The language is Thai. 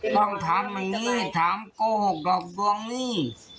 ต้องทำอย่างนี่ทำก้องกลอกลวงนี้